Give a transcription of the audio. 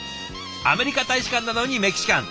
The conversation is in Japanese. アメリカ大使館なのにメキシカン。